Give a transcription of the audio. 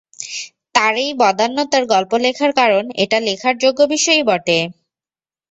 তাঁর এই বদান্যতার গল্প লেখার কারণ এটা লেখার যোগ্য বিষয়ই বটে।